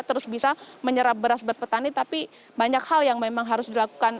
terus bisa menyerap beras berpetani tapi banyak hal yang memang harus dilakukan